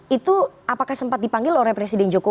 itu apakah sempat dipanggil oleh presiden jokowi